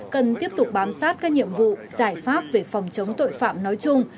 cần tiếp tục bám sát các nhiệm vụ giải pháp về phòng chống tội phạm nói chung